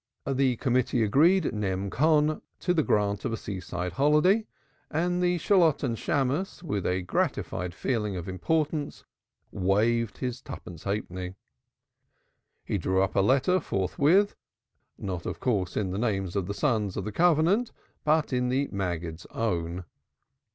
The Committee agreed nem. con. to the grant of a seaside holiday, and the Shalotten Shammos with a gratified feeling of importance waived his twopence halfpenny. He drew up a letter forthwith, not of course in the name of the Sons of the Covenant, but in the Maggid's own.